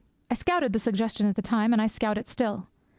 I scouted the suggestion at the time; I scout it still.